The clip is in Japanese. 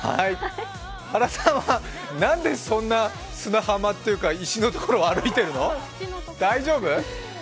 原さんはなんでそんな砂浜というか石のところ、歩いてるの？